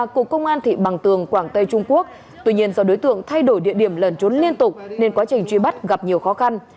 cục công an thị bằng tường quảng tây trung quốc tuy nhiên do đối tượng thay đổi địa điểm lẩn trốn liên tục nên quá trình truy bắt gặp nhiều khó khăn